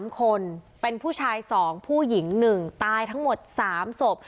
๓คนเป็นผู้ชาย๒ผู้หญิง๑ตายทั้งหมด๓ศพ